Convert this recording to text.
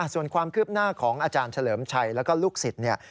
ส่วนความคืบหน้าของอาจารย์เฉลิมชัยแล้วก็ลูกศิษย์เนี่ย